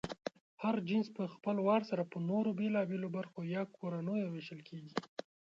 هر جنس پهخپل وار سره په نورو بېلابېلو برخو یا کورنیو وېشل کېږي.